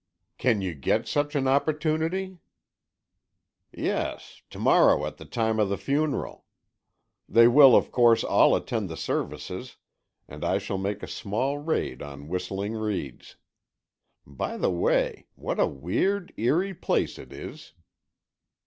"Can you get such an opportunity?" "Yes, to morrow at the time of the funeral. They will, of course, all attend the services and I shall make a small raid on Whistling Reeds. By the way, what a weird, eerie place it is!"